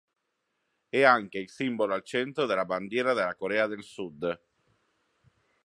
È anche il simbolo al centro della Bandiera della Corea del Sud.